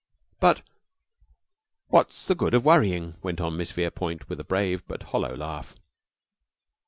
"But what's the good of worrying," went on Miss Verepoint, with a brave but hollow laugh.